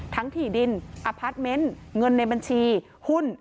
ถี่ดินอพาร์ทเมนต์เงินในบัญชีหุ้น